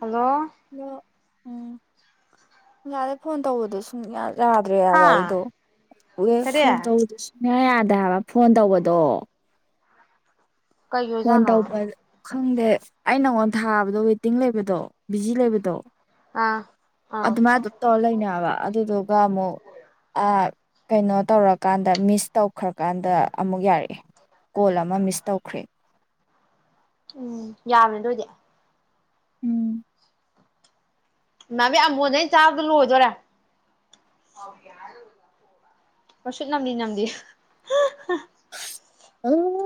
hello hello ꯎꯝ ꯑꯥꯁꯥꯏꯗꯩꯩ phone ꯇꯧꯕꯗꯣ ꯁꯨꯡ ꯌꯥ ꯌꯥꯗ꯭ꯔꯦ ꯍꯥꯏꯕ ꯍꯥꯥ ꯑꯩꯗꯣ ꯋꯦ ꯀꯔꯤ ꯐꯣꯟ ꯇꯧꯕꯗꯁꯨ ꯁꯨꯌꯥ ꯌꯥꯗꯦꯕꯥ ꯐꯣꯟ ꯇꯧꯕꯗꯣ ꯀꯩꯒꯤ ꯐꯣꯟ ꯑꯣꯏꯖꯥꯠꯅꯣ ꯇꯧꯕ ꯈꯪꯗꯦ ꯑꯩ ꯅꯪꯉꯣꯟꯗ ꯊꯥꯕꯗꯣ ꯋꯦꯇꯤꯡ ꯂꯩꯕꯗꯣ ꯕꯤꯖꯤ ꯂꯩꯕꯗꯣ ꯑꯥ ꯑꯥ ꯑꯗꯨꯃꯥꯏ ꯑꯗꯨꯝ ꯇꯧꯔ ꯂꯩꯅꯦ ꯍꯥꯏꯕ ꯑꯗꯨꯗꯨꯒ ꯑꯃꯨꯛ ꯑꯥ ꯀꯩꯅꯣ ꯇꯧꯔꯀꯥꯟꯗ ꯃꯤꯁ ꯇꯧꯈ꯭ꯔꯀꯥꯟꯗ ꯑꯃꯨꯛ ꯌꯥꯔꯛꯑꯦ ꯀꯣꯜ ꯑꯃ ꯃꯤꯁ ꯇꯧꯈ꯭ꯔꯦ ꯎꯝ ꯌꯥꯕꯃꯦ ꯑꯗꯨꯏꯗꯤ ꯎꯝ ꯏꯃꯥꯅꯕꯤ ꯑꯃꯕꯣꯟꯁꯦ ꯑꯩꯅꯥ ꯆꯥꯕꯗ ꯂꯣꯏꯗꯣꯔꯦ ꯃꯩꯁꯨꯠ ꯅꯝꯂꯤ ꯅꯝꯂꯤ ꯑꯣ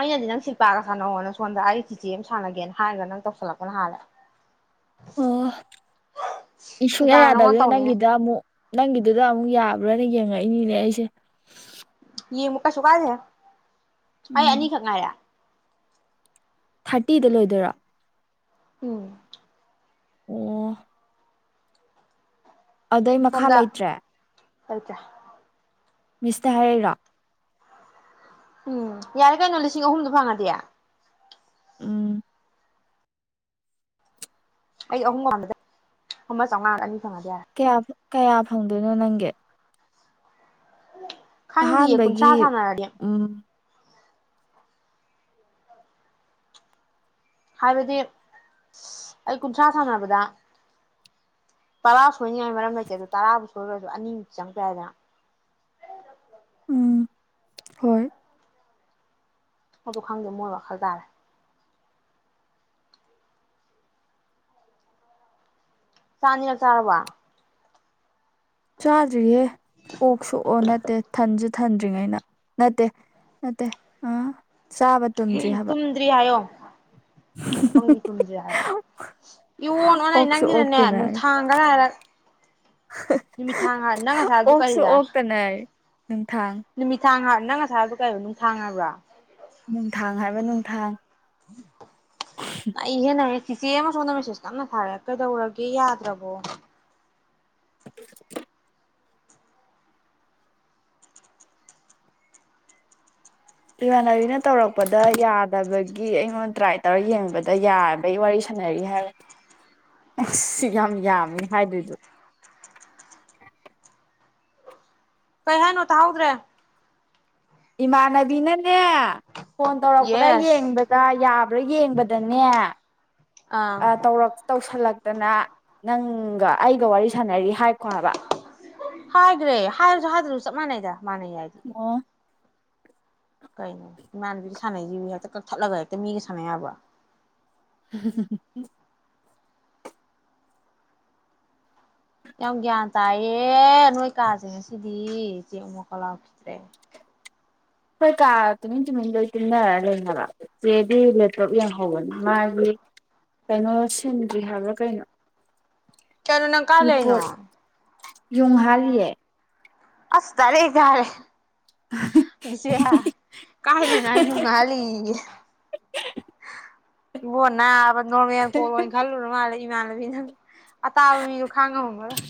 ꯑꯩꯅꯗꯤ ꯅꯪ ꯁꯤꯜꯄꯥꯒꯥ ꯁꯥꯅꯧꯑꯣꯅꯥ ꯁꯣꯟꯗ ꯑꯩ ꯆꯤꯆꯦ ꯑꯃ ꯁꯥꯟꯅꯒꯦꯅ ꯍꯥꯏꯔꯒ ꯅꯪ ꯇꯧꯁꯜꯂꯛꯄꯅ ꯍꯥꯏꯜꯂꯦ ꯑꯣ ꯁꯨꯡꯌꯥ ꯁꯤꯜꯄꯥꯅ ꯅꯪꯉꯣꯟꯗ ꯌꯥꯗꯕꯗꯒꯤ ꯇꯧꯅꯤꯅ ꯅꯪꯒꯤꯗ ꯑꯃꯨꯛ ꯅꯪꯒꯤꯗꯨ ꯑꯗꯨꯗ ꯑꯃꯨꯛ ꯌꯥꯕ꯭ꯔꯥꯅ ꯌꯦꯡꯉꯛꯏꯅꯤꯅꯦ ꯑꯩꯁꯦ ꯌꯦꯡꯕ ꯀꯩꯁꯨ ꯀꯥꯏꯗꯦꯍꯦ ꯑꯩ ꯎꯝ ꯑꯅꯤꯈꯛ ꯉꯥꯏꯔꯦ ꯊꯥꯔꯇꯤꯗ ꯂꯣꯏꯗꯣꯏꯔꯣ ꯎꯝ ꯑꯣ ꯑꯗꯩ ꯃꯈꯥ ꯁꯣꯝꯗ ꯂꯩꯇ꯭ꯔꯦ [unintelligible] ꯃꯤꯁꯇ ꯍꯥꯏꯔꯛꯏꯔꯣ ꯎꯝ ꯌꯥꯔꯦ ꯀꯩꯅꯣ ꯂꯤꯁꯤꯡ ꯑꯍꯨꯝꯗꯣ ꯐꯪꯉꯗꯤ ꯎꯝ ꯑꯩ ꯑꯍꯨꯝ ꯑꯃ ꯆꯪꯉꯥ ꯑꯅꯤ ꯐꯪꯉꯗꯤ ꯌꯥꯔꯦ ꯀꯌꯥ ꯀꯌꯥ ꯐꯪꯗꯣꯏꯅꯣ ꯅꯪ [unintelligible] [inaudible] ꯈꯪꯗꯤꯌꯦ ꯀꯨꯟꯊ꯭ꯔꯥ ꯑꯍꯥꯟꯕꯒꯤ ꯁꯥꯟꯅꯔꯒꯦ ꯎꯝ ꯍꯥꯏꯕꯗꯤ ꯑꯩ ꯀꯨꯟꯊ꯭ꯔꯥ ꯁꯥꯟꯅꯕꯗ ꯇꯔꯥ ꯁꯣꯏꯅꯤꯡꯉꯥꯏ ꯃꯔꯝ ꯂꯩꯇꯦ ꯑꯗꯨ ꯇꯔꯥꯕꯨ ꯁꯣꯏꯔꯣꯏ ꯑꯗꯨ ꯑꯅꯤꯃꯨꯛꯇ ꯆꯪꯉꯛꯄ ꯌꯥꯏꯗꯅ ꯎꯝ ꯍꯣꯏ ꯑꯗꯨ ꯈꯪꯗꯦ ꯃꯣꯏ ꯋꯥꯈꯜ ꯇꯥꯔꯦ ꯆꯥꯛ ꯑꯅꯤꯔꯛ ꯆꯥꯔꯕꯣ ꯆꯥꯗ꯭ꯔꯤꯌꯦ ꯑꯣꯛ ꯁꯨꯑꯣ ꯅꯠꯇꯦ ꯊꯟꯖ ꯊꯟꯗ꯭ꯔꯤꯉꯩꯩꯅ ꯅꯠꯇꯦ ꯅꯠꯇꯦ ꯑ ꯇꯨꯝꯗ꯭ꯔꯤ ꯍꯥꯏꯌꯣ ꯑꯄꯪꯕꯤ ꯊꯨꯝꯖꯦ ꯌꯥꯛꯑꯦ ꯏꯑꯣꯟ ꯑꯣꯟꯅꯩ ꯑꯣꯛꯁꯨ ꯅꯪꯒꯤꯅꯅꯦ ꯑꯣꯛꯇꯅ ꯅꯨꯡꯊꯥꯡꯗ ꯉꯥꯏꯔ ꯅꯨꯃꯤꯊꯥꯡ ꯉꯥꯏ ꯅꯪ ꯉꯁꯥꯢ ꯍꯥꯏꯕꯗꯨ ꯑꯣꯛꯁꯨ ꯀꯔꯤꯗ ꯑꯣꯛꯇꯅ ꯅꯨꯡꯊꯥꯡ ꯅꯨꯃꯤꯊꯥꯡ ꯉ ꯅꯪ ꯉꯥꯁꯥꯏ ꯍꯥꯢꯕꯗꯣ ꯀꯩꯅꯣ ꯅꯨꯡꯊꯥꯡ ꯍꯥꯏꯕ꯭ꯔꯣ ꯅꯨꯡꯊꯥꯡ ꯍꯥꯏꯕ ꯅꯨꯡꯊꯥꯡ ꯅꯩꯍꯦ ꯅꯩꯍꯦ ꯆꯤꯆꯦ ꯑꯃ ꯁꯣꯝꯗ ꯃꯦꯁꯦꯁ ꯀꯟꯅ ꯊꯥꯔꯛꯑꯦ ꯀꯩꯗꯧꯔꯒꯦ ꯌꯥꯗ꯭ꯔꯕꯣ [inaudible] ꯏꯃꯥꯟꯅꯕꯤꯅ ꯇꯧꯔꯛꯄꯗ ꯌꯥꯗꯕꯒꯤ ꯑꯩꯉꯣꯟꯗ ꯇ꯭ꯔꯥꯏ ꯇꯧꯔ ꯌꯦꯡꯨꯕꯗ ꯌꯥꯔꯕꯩ ꯋꯥꯔꯤ ꯁꯥꯟꯅꯔꯤ ꯍꯥꯏꯔ ꯑꯁ ꯌꯥꯝ ꯌꯥꯝꯃꯤ ꯍꯥꯏꯗꯣꯏꯗꯨ [inaudible] ꯀꯩ ꯍꯥꯏꯅꯣ ꯇꯥꯍꯧꯗ꯭ꯔꯦ ꯏꯃꯥꯅꯕꯤꯅ ꯅꯦ ꯐꯣꯟ ꯇꯧꯔꯛꯄ꯭ꯔꯥ ꯌꯦꯁ ꯌꯦꯡꯕꯗ ꯌꯥꯕ꯭ꯔꯥ ꯌꯦꯡꯕꯗꯅꯦ ꯑꯥ ꯇꯧꯔꯛ ꯇꯧꯁꯜꯂꯛꯇꯅ ꯅꯪꯒ ꯑꯩꯒ ꯋꯥꯔꯤ ꯁꯥꯟꯅꯔꯤ ꯍꯥꯏꯒꯣ ꯍꯥꯏꯕ ꯍꯥꯏꯈꯒꯔꯦ ꯍꯥꯏꯔꯁꯨ ꯍꯥꯏꯗ꯭ꯔꯁꯨ ꯆꯞ ꯃꯥꯟꯅꯩꯗ ꯃꯥꯅ ꯌꯥꯏ ꯑꯣ ꯀꯩꯅꯣ ꯏꯃꯥꯟꯅꯕꯤ ꯁꯥꯟꯅꯩꯁꯤ ꯍꯦꯛꯇ ꯀꯛꯊꯠꯂꯒ ꯍꯦꯛꯇ ꯃꯤꯒ ꯁꯥꯟꯅ ꯌꯥꯕ꯭ꯔꯣ [inaudible] ꯌꯥꯝ ꯒꯌ꯭ꯥꯟ ꯇꯥꯏꯌꯦ ꯅꯣꯏ ꯀꯥꯁꯦ ꯉꯁꯤꯗꯤ ꯆꯦꯝ ꯃꯨꯛꯀ ꯂꯥꯎꯈꯤꯗ꯭ꯔꯦ ꯍꯣꯏ ꯀꯥ ꯇꯨꯃꯤꯟ ꯇꯨꯃꯤꯟ ꯂꯣꯏ ꯇꯨꯝꯅꯔ ꯂꯩ ꯍꯥꯏꯕ ꯆꯦꯗꯤ ꯂꯦꯞꯇꯣꯞ ꯌꯦꯡꯍꯧꯕꯅꯤ ꯃꯥꯒꯤ ꯀꯩꯅꯣ ꯁꯤꯟꯗ꯭ꯔꯤ ꯍꯥꯏꯕ꯭ꯔ ꯀꯩꯅꯣ ꯀꯩꯅꯣ ꯅꯪ ꯀꯥꯏ ꯂꯩꯅꯣ ꯔꯤꯄꯣꯔꯠ ꯌꯨꯡ ꯍꯥꯜꯂꯤꯌꯦ ꯑꯁ ꯗꯥꯢꯔꯦꯛ ꯍꯦꯛꯇ ꯍꯥꯏꯔꯦ ꯕꯤꯖꯤꯌꯥ ꯀꯥꯏ ꯂꯩꯅꯣ ꯍꯥꯏꯔ ꯌꯨꯡ ꯍꯜꯂꯤꯌꯦꯌꯦ ꯏꯕꯣ ꯅꯥꯕ ꯅꯣꯔꯃꯦꯜ ꯀꯣꯜ ꯑꯣꯏꯅ ꯈꯜꯂꯨꯔ ꯃꯥꯜꯂꯦ ꯏꯃꯥꯟꯅꯕꯤ ꯅꯪ ꯑꯇꯥ ꯃꯤꯁꯨ ꯈꯥꯡꯉꯝ ꯃꯝ ꯃꯔꯣꯏ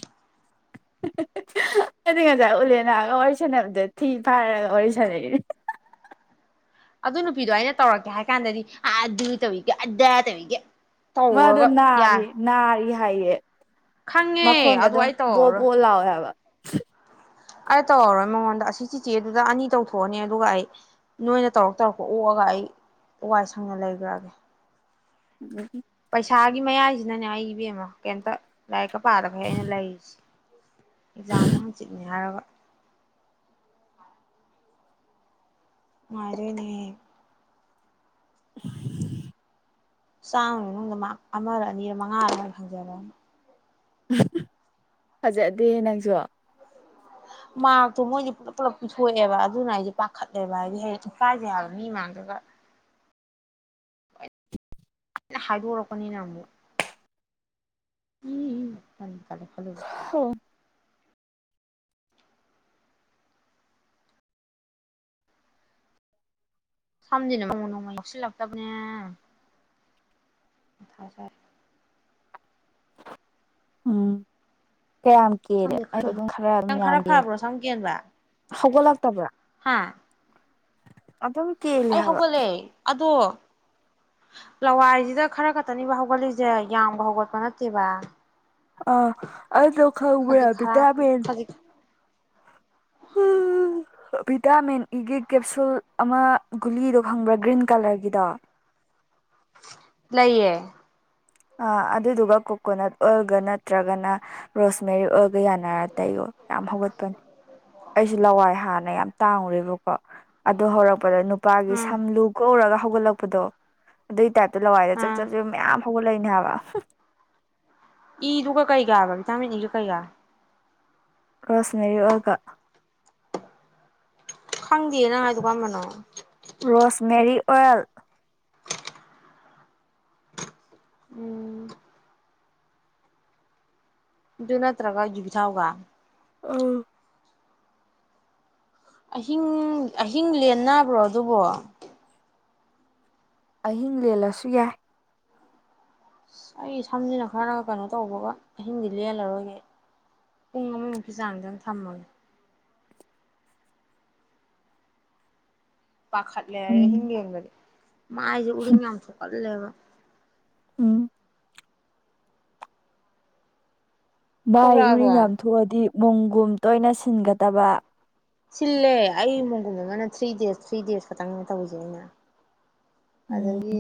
ꯍꯦ ꯍꯦ ꯍꯦ ꯑꯩꯗꯤ ꯉꯁꯥꯏ ꯎꯂꯦꯅꯒ ꯋꯥꯔꯤ ꯁꯥꯟꯅꯕꯗ ꯊꯤ ꯐꯥꯏꯔꯒ ꯋꯥꯔꯤ ꯁꯥꯟꯅꯩ ꯍꯥ ꯍꯥ ꯍꯥ ꯑꯗꯨ ꯅꯨꯄꯤꯗꯣ ꯑꯩꯅ ꯇꯧꯔꯛꯀꯦ ꯍꯥꯏ ꯀꯥꯟꯗꯗꯤ ꯑ ꯑꯗꯨ ꯇꯧꯏꯒ ꯑꯗꯥ ꯇꯧꯏꯒ ꯃꯥ ꯑꯗꯣ ꯅꯥꯔꯤ ꯅꯥꯔꯤ ꯍꯥꯏꯌꯦ ꯈꯪꯉꯦ ꯑꯗꯨ ꯃꯈꯣꯟꯒꯗꯣ ꯑꯩ ꯇꯧꯔꯔꯣꯏ ꯕꯣꯕꯣ ꯂꯥꯎꯋꯦ ꯍꯥꯏꯕ [unintelligible] ꯑꯩ ꯇꯧꯔꯔꯣꯏ ꯃꯉꯣꯟꯗ ꯑꯁꯤ ꯆꯤꯆꯦ ꯑꯗꯨꯗ ꯑꯅꯤ ꯇꯧꯊꯣꯛ ꯑꯅꯤ ꯑꯗꯨꯒ ꯑꯩ ꯅꯣꯏꯅ ꯇꯧꯔꯛ ꯇꯧꯔꯛꯄ ꯑꯣꯛ ꯑꯒ ꯑꯩ ꯋꯥꯏ ꯁꯪꯅ ꯂꯩꯒ꯭ꯔꯒꯦ ꯑꯗꯨꯝ ꯄꯩꯁꯥꯒꯤ ꯃꯌꯥꯏ ꯁꯤꯅꯅꯦ ꯑꯩ ꯏꯕꯦꯝꯃꯥ ꯀꯩꯌꯤꯝꯇ ꯂꯥꯏꯔꯤꯛꯀ [unintelligible] ꯑꯦꯛꯖꯥꯝꯅ ꯍꯪꯆꯤꯠꯅꯦ ꯍꯥꯏꯔꯒ [unintelligible] [inaudible] ꯆꯥꯝꯃꯒꯤ ꯃꯅꯨꯡꯗ ꯃꯔ꯭ꯛ ꯑꯃꯔ ꯑꯅꯤꯔ ꯃꯉꯥꯔ ꯃꯥꯏ ꯐꯪꯖꯔꯅꯤ ꯐꯖꯗꯦꯍꯦ ꯅꯪꯁꯨ ꯃꯔꯥ꯭ꯛꯇꯣ ꯃꯣꯏꯗꯤ ꯄꯨꯂꯞ ꯄꯨꯂꯞ ꯄꯤꯊꯣꯛ ꯑꯦꯕ ꯑꯗꯨꯅ ꯑꯩꯁꯦ ꯄꯥꯈꯠ ꯂꯦꯕ ꯍꯥꯏꯗꯤ ꯍꯌꯦꯡ ꯏꯀꯥꯏꯖꯩ ꯍꯥꯏꯕ ꯃꯤ ꯃꯥꯡꯗꯒ ꯍꯥꯏꯗꯣꯛꯔꯛꯄꯅꯤꯅ ꯑꯃꯨꯛ [unintelligible] [inaudible] ꯁꯥꯝꯁꯤꯅ ꯅꯣꯡꯃ ꯅꯣꯡꯃꯒꯤ ꯐꯠꯁꯤꯜꯂꯛꯇꯕꯅꯦ ꯃꯊꯥ ꯁꯥꯏ ꯎꯝ ꯀꯌꯥꯝ ꯀꯦꯂꯦ ꯁꯝꯁꯦ ꯑꯩꯁꯨ ꯈꯔꯗꯤ ꯑꯗꯨꯝ ꯈꯔ ꯑꯗꯨꯝ ꯅꯪ ꯈꯔ ꯌꯥꯝꯅ ꯀꯦꯜꯂꯦ ꯐꯕ꯭ꯔꯣ ꯁꯝ ꯀꯦꯟꯕ ꯍꯧꯒꯠꯂꯛ ꯐꯕ꯭ꯔꯥ ꯍꯥꯥ ꯑꯗꯨꯝ ꯀꯦꯜꯂꯦ ꯑꯩ ꯍꯥꯏꯕ ꯍꯧꯒꯠꯂꯦ ꯑꯗꯣ ꯂꯋꯥꯏꯁꯤꯗ ꯈꯔ ꯈꯛꯇꯅꯤꯕ ꯍꯧꯒꯠꯂꯤꯁꯦ ꯌꯥꯝꯅ ꯍꯧꯒꯠꯄ ꯅꯠꯇꯦꯕ ꯑ ꯑꯗꯨ ꯈꯖꯤꯛ ꯈꯪꯕꯔꯥ ꯈꯔ ꯕꯤꯇꯃꯤꯟ ꯈꯖꯤꯛ ꯕꯤꯇꯥꯃꯤꯟ ꯏꯒꯤ ꯀꯦꯞꯁꯨꯜ ꯑꯃ ꯒꯨꯂꯤꯗꯣ ꯈꯪꯕ꯭ꯔꯥ ꯒ꯭ꯔꯤꯟ ꯀꯂꯔꯒꯤꯗꯣ ꯂꯩꯌꯦ ꯑꯥ ꯑꯗꯨꯗꯨꯒ ꯀꯣꯀꯣꯅꯠ ꯑꯣꯏꯜꯒ ꯅꯠꯇ꯭ꯔꯒꯅ ꯔꯣꯁꯃꯦꯔꯤ ꯑꯣꯏꯜꯒ ꯌꯥꯅꯔ ꯇꯩ ꯌꯣ ꯌꯥꯝ ꯍꯧꯒꯠꯄꯅꯤ ꯑꯩꯁꯨ ꯂꯋꯥꯏ ꯍꯥꯟꯅ ꯌꯥꯝ ꯇꯥꯡꯨꯔꯦꯕꯀꯣ ꯑꯗꯣ ꯍꯧꯔꯛ ꯄꯗ ꯅꯨꯄꯥꯒꯤ ꯎꯝ ꯁꯝ ꯂꯨ ꯀꯣꯛ ꯎꯔꯒ ꯍꯧꯒꯠꯂꯛꯄꯗꯣ ꯑꯗꯨ ꯇꯥꯏꯞ ꯇ ꯂꯋꯥꯏꯗ ꯆꯛ ꯎꯝ ꯆꯛ ꯆꯛ ꯃꯌꯥꯝ ꯍꯧꯒꯠꯂꯛꯏꯅꯦ ꯍꯥꯏꯕ ꯍꯨ ꯏꯗꯨꯒ ꯀꯩꯀꯥꯕ ꯚꯤꯇꯥꯃꯤꯟ ꯏꯗꯨ ꯀꯩꯒ ꯔꯣꯁꯃꯦꯔꯤ ꯑꯣꯏꯜꯒ ꯈꯪꯗꯤꯌꯦ ꯅꯪ ꯍꯥꯏꯗꯣ ꯀꯔꯝꯕꯅꯣ ꯔꯣꯁꯃꯦꯔꯤ ꯑꯣꯏꯜ ꯎꯝ ꯑꯗꯨ ꯅꯠꯇ꯭ꯔꯒ ꯌꯨꯕꯤꯊꯥꯎꯒ ꯑꯥ ꯑꯍꯤꯡ ꯑꯍꯤꯡ ꯂꯦꯟꯅꯕ꯭ꯔꯣ ꯑꯗꯨꯕꯣ ꯑꯍꯤꯡ ꯂꯦꯜꯂꯁꯨ ꯌꯥꯏ ꯑꯩ ꯁꯝꯁꯤꯅ ꯈꯔ ꯀꯩꯅꯣ ꯇꯧꯕꯒ ꯑꯍꯤꯡꯗꯤ ꯂꯦꯜꯂꯔꯣꯏꯒꯦ ꯄꯨꯡ ꯑꯃꯃꯨꯛꯀꯤ ꯆꯥꯡꯗꯪ ꯊꯝꯃꯒꯦ ꯄꯥꯈꯠ ꯂꯦ ꯑꯍꯤꯡ ꯎꯝ ꯂꯦꯟꯕꯖꯦ ꯃꯥꯥꯏꯁꯦ ꯎꯔꯤꯡ ꯌꯥꯝ ꯊꯣꯛꯀꯜ ꯇꯜꯂꯦꯕ ꯎꯝ ꯚꯥꯏ ꯎꯔꯤꯡ ꯌꯥꯝ ꯊꯣꯛꯂꯛꯑꯕꯣ ꯊꯣꯛꯑꯗꯤ ꯃꯣꯟꯒꯨꯝ ꯇꯣꯏꯅ ꯁꯤꯟꯒꯗꯕ ꯁꯤꯜꯂꯦ ꯑꯩ ꯃꯣꯟꯒꯨꯝ ꯑꯃꯅ ꯊ꯭ꯔꯤ ꯗꯦꯖ ꯊ꯭ꯔꯤ ꯗꯦꯖ ꯈꯛꯇꯪꯅꯦ ꯇꯧꯔꯤꯁꯦ ꯑꯩꯅ ꯎꯝ ꯑꯗꯒꯤ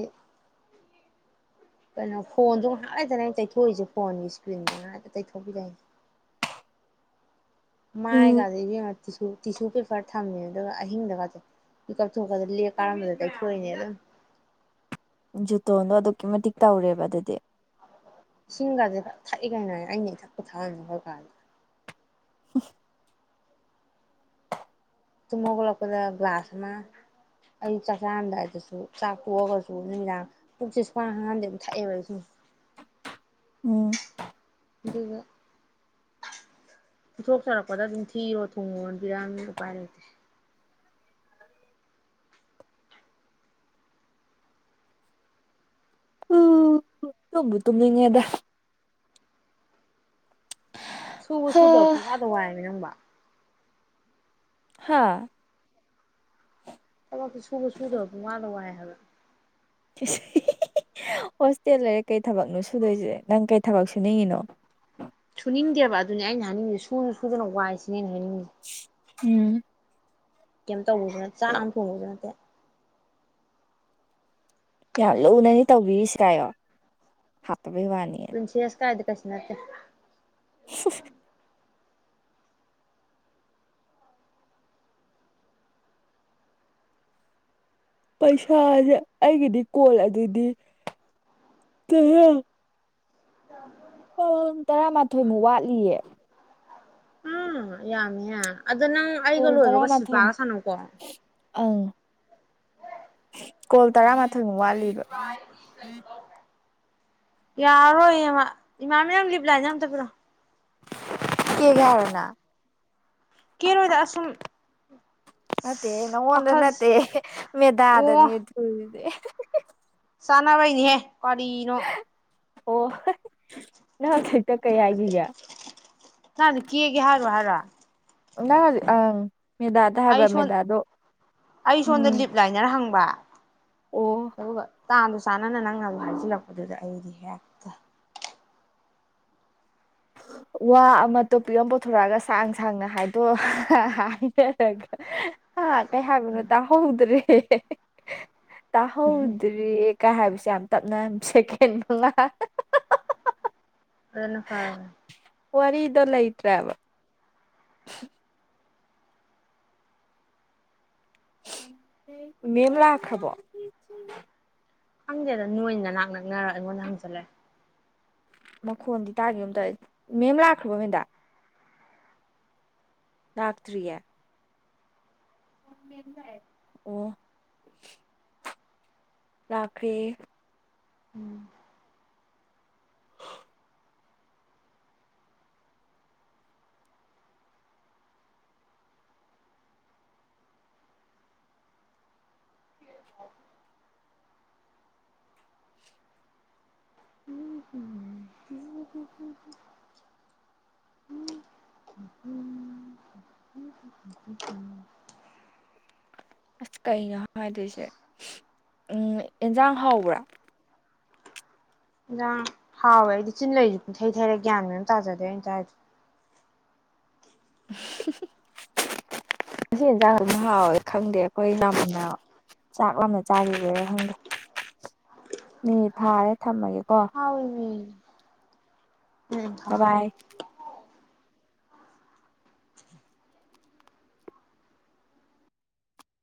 ꯀꯩꯅꯣ ꯐꯣꯟꯗꯣ ꯉꯥꯏꯍꯥꯛꯂꯩꯇꯅ ꯑꯩꯅ ꯇꯩꯊꯣꯛꯏꯁꯦ ꯐꯣꯟꯒꯤ ꯏꯁꯀ꯭ꯔꯤꯟꯗ ꯉꯥꯏꯍꯥꯛꯇ ꯇꯩꯊꯣꯛꯄꯤꯔꯛꯏꯁꯦ ꯎꯝ ꯃꯥꯏꯒꯁꯦ ꯏꯕꯦꯝꯃꯥ ꯇꯤꯁꯨ ꯇꯤꯁꯨ ꯄꯦꯄꯔ ꯊꯝꯃꯦ ꯑꯗꯨꯒ ꯑꯍꯤꯡꯗꯒꯁꯦ ꯃꯤꯀꯞ ꯊꯣꯛꯄꯗ ꯂꯦꯛ ꯀꯥꯔꯝꯕꯗ ꯇꯩꯊꯣꯛꯇꯣꯏꯅꯦ ꯑꯗꯨꯝ ꯖꯨꯇꯣꯟꯗꯣ ꯑꯗꯨꯛꯀꯤ ꯃꯇꯤꯛ ꯇꯧꯔꯦꯕ ꯑꯗꯨꯗꯤ ꯏꯁꯤꯡꯒꯥꯁꯦ ꯊꯛꯑ ꯀꯩꯅꯣ ꯑꯩ ꯑꯩꯅ ꯏꯊꯛꯄꯨ ꯊꯛꯑꯝꯅꯤ ꯑꯩꯈꯣꯏ ꯀꯥꯗ ꯍ ꯇꯨꯝ ꯍꯧꯒꯠꯂꯛꯄꯗ ꯒ꯭ꯂꯥꯁ ꯑꯃ ꯑꯩ ꯆꯥꯛ ꯆꯥꯔꯝꯗꯥꯏꯗꯁꯨ ꯆꯥꯛ ꯑꯣꯛꯑꯒꯁꯨ ꯅꯨꯃꯤꯗꯥꯡ ꯄꯨꯛꯁꯦ ꯁꯨꯡ ꯍꯥꯡ ꯍꯥꯡꯍꯟꯗꯕꯤꯗ ꯊꯛꯑꯦꯕ ꯁꯨꯝ ꯎꯝ ꯑꯗꯨꯒ [inaudible] ꯄꯤꯊꯣꯛꯆꯔꯛꯄꯗ ꯑꯗꯨꯝ ꯊꯤꯌꯣ ꯊꯨꯡꯉꯣꯅ ꯄꯤꯔꯛꯑꯕꯅꯤꯅ ꯎꯄꯥꯏ ꯂꯩꯇꯦ ꯎ ꯇꯨꯝꯕꯨ ꯇꯨꯝꯅꯤꯡꯉꯦꯗ ꯁꯨꯕ ꯍꯥ ꯁꯨꯗꯕ ꯄꯪꯋꯥꯗ ꯋꯥꯏꯌꯦꯃꯤ ꯅꯪꯕꯣ ꯍꯥꯥ ꯊꯕꯛꯁꯦ ꯁꯨꯕ ꯁꯨꯗꯕ ꯄꯪꯋꯥꯗ ꯋꯥꯏ ꯍꯥꯏꯕ ꯍꯣꯁꯇꯦꯜ ꯂꯩꯔꯦ ꯀꯩ ꯊꯕꯛꯅꯣ ꯁꯨꯗꯣꯏꯁꯦ ꯅꯪ ꯀꯩ ꯊꯕꯛ ꯁꯨꯅꯤꯡꯉꯤꯅꯣ ꯁꯨꯅꯤꯡꯗꯦꯕ ꯑꯗꯨꯅꯦ ꯑꯩꯅ ꯍꯥꯏꯅꯤꯡꯉꯤꯁꯦ ꯁꯨꯁꯨ ꯁꯨꯗꯅ ꯋꯥꯏꯁꯤꯅꯦ ꯍꯥꯏꯅꯤꯡꯉꯤꯁꯦ ꯎꯝ ꯀꯩꯝ ꯇꯧꯔꯨꯕ ꯆꯥꯛ ꯑꯃ ꯊꯣꯡꯉꯨꯕꯁꯨ ꯅꯠꯇꯦ ꯌꯥꯔꯦ ꯂꯨꯅꯅꯤ ꯇꯧꯕꯤꯔꯤꯁꯦ ꯍꯥꯏꯌꯣ ꯄꯨꯁꯤ ꯑꯁ ꯀꯥꯏꯗ [unintelligible] [inaudible] ꯄꯩꯁꯥꯁꯦ ꯑꯩꯒꯤꯗꯤ ꯀꯣꯜ ꯑꯗꯨꯗꯤ ꯇꯔꯥ ꯍ ꯇꯔꯥꯃꯥꯊꯣꯏꯃꯨꯛ ꯋꯥꯠꯂꯤꯌꯦ ꯎꯝ ꯌꯥꯝꯃꯤꯍꯦ ꯑꯗ ꯅꯪ ꯑꯩꯒ ꯀꯣꯜ ꯂꯣꯏꯕꯒ ꯇꯔꯥꯃꯥꯊꯣꯏꯃꯨꯛ ꯁꯤꯜꯄꯥꯒ ꯁꯥꯟꯅꯧꯀꯣ ꯑꯪ ꯀꯣꯜ ꯇꯔꯥꯃꯥꯊꯣꯏ ꯃꯨꯛ ꯋꯥꯠꯂꯤ ꯄꯥꯏꯗꯤ ꯀꯩꯅꯣ ꯇꯧꯈ꯭ꯔꯦ ꯌꯥꯔꯔꯣꯏꯌꯦ ꯃꯥ ꯏꯃꯥꯟꯅꯕꯤ ꯅꯪ ꯂꯤꯞꯂꯥꯏꯅꯔ ꯑꯝꯇ ꯄꯤꯔꯛꯑꯣ ꯀꯦꯒꯦ ꯍꯥꯏꯔꯣ ꯅꯪ ꯀꯦꯔꯣꯏꯗ ꯑꯁꯨꯝ ꯅꯠꯇꯦꯍꯦ ꯅꯉꯣꯟꯗ ꯅꯠꯇꯦ ꯋꯥꯈꯜꯁꯦ ꯃꯦꯗꯥꯗꯅꯤ ꯑꯣ ꯎꯏꯊꯨ ꯁꯤꯗꯤ ꯆꯥꯅꯕꯩꯅꯤꯍꯦ ꯀꯔꯤꯅꯣ ꯑꯣ ꯅꯪ ꯍꯨꯖꯤꯛꯇꯪ ꯀꯩ ꯍꯥꯏꯒꯥꯒꯦ ꯖꯥꯡꯁꯨ ꯀꯦꯒꯦ ꯍꯥꯏꯔꯣꯢ ꯍꯥꯏꯔꯣ ꯅꯪ ꯍꯨꯖꯤꯛ ꯑꯪ ꯃꯦꯗꯥꯗ ꯑꯩ ꯍꯥꯏꯕ ꯁꯣꯟ ꯃꯦꯗꯥꯗꯣ ꯑꯩ ꯁꯣꯝꯗ ꯎꯝ ꯂꯤꯞ ꯂꯥꯏꯅꯔ ꯍꯪꯕ ꯑꯣ ꯑꯗꯨꯒ ꯇꯥꯟꯗꯨ ꯆꯥꯟꯅꯅ ꯅꯪꯅꯁꯨ ꯍꯥꯏꯖꯤꯜꯂꯛꯄꯗꯨꯗ ꯑꯩꯗꯤ ꯍꯦꯛꯇ ꯋꯥ ꯑꯃ ꯇꯣꯞꯄꯤꯛ ꯑꯃ ꯄꯨꯊꯣꯔꯛꯑꯒ ꯁꯥꯡ ꯁꯥꯡꯅ ꯍꯥꯏꯗꯣꯛꯑꯣ ꯍꯥꯏꯅꯔꯒ ꯍꯥ ꯀꯩ ꯍꯥꯏꯕꯅꯣ ꯇꯥꯍꯧꯗ꯭ꯔꯦ ꯍꯦ ꯍꯦ ꯇꯥꯍꯧꯗ꯭ꯔꯦ ꯀꯥ ꯍꯥꯏꯕꯁꯦ ꯌꯥꯝ ꯇꯞꯅ ꯁꯦꯀꯦꯟ ꯃꯉꯥ ꯑꯗꯨꯅ ꯐꯥꯔꯕꯅꯦ ꯋꯥꯔꯤꯗꯣ ꯂꯩꯇ꯭ꯔꯦꯕ [inaudible] ꯃꯦꯝ ꯂꯥꯛꯈ꯭ꯔꯕꯣ ꯈꯪꯗꯦꯗ ꯅꯣꯏ ꯅꯅꯥꯛ ꯅꯛꯅꯔ ꯑꯩꯉꯣꯟꯗ ꯍꯪꯖꯜꯂꯦ ꯃꯈꯣꯟꯗꯤ ꯇꯥꯒꯤꯒꯨꯝ ꯇꯧꯏ ꯃꯦꯝ ꯂꯥꯛꯈ꯭ꯔꯕꯣ ꯃꯦꯗꯥ ꯂꯥꯛꯇ꯭ꯔꯤꯌꯦ ꯑꯣ ꯃꯦꯝ ꯂꯥꯛꯑꯦ ꯂꯥꯛꯈꯔ꯭ꯦꯌꯦ ꯑꯝ ꯑꯁ ꯀꯩꯅꯣ ꯍꯥꯏꯗꯣꯏꯁꯦ ꯎꯝ ꯑꯦꯟꯁꯥꯡ ꯍꯥꯎꯕ꯭ꯔꯥ ꯍꯦꯟꯖꯥꯡ ꯍꯥꯎꯋꯦ ꯑꯩꯗꯤ ꯆꯤꯟ ꯂꯩꯁꯨ ꯄꯨꯡꯊꯩ ꯊꯩꯔꯦ ꯒ꯭ꯌꯥꯟ ꯃꯦꯟ ꯑꯝ ꯇꯥꯖꯗꯦ ꯑꯩꯅ ꯆꯥꯏꯗꯣ ꯉꯁꯤ ꯌꯦꯟꯖꯥꯛ ꯑꯗꯨꯝ ꯍꯥꯎꯋꯦ ꯈꯪꯗꯦ ꯑꯩꯈꯣꯏ ꯌꯥꯝꯅ ꯆꯥꯛ ꯂꯥꯝꯅ ꯆꯥꯒꯤꯕꯩꯔ ꯈꯪꯗꯦ ꯃꯤꯅꯤꯠ ꯐꯥꯔꯦ ꯊꯝꯃꯒꯦꯀꯣ ꯍꯥꯎꯋꯦꯃꯤ ꯎꯝ ꯊꯝꯃꯣ ꯕ ꯕꯥꯏ